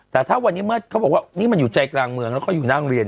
แต่ถ้าวันนี้เมื่อเขาบอกว่านี่มันอยู่ใจกลางเมืองแล้วเขาอยู่นั่งเรียน